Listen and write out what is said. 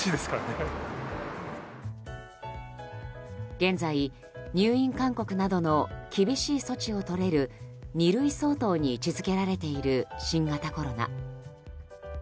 現在、入院勧告などの厳しい措置をとれる二類相当に位置付けられている新型コロナ。